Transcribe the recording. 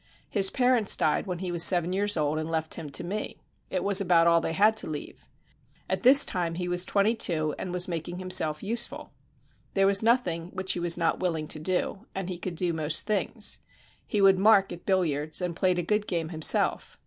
His parents died when he was seven years old and left him to me. It was about all they had to leave. At this time he was twenty two, and was making himself useful. There was nothing which he was not willing to do, and he could do most things. He would mark at billiards, and played a good game himself.